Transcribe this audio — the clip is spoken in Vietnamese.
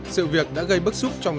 sự việc đã gây bức xúc trong